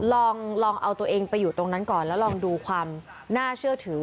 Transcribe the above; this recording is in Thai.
ลองเอาตัวเองไปอยู่ตรงนั้นก่อนแล้วลองดูความน่าเชื่อถือ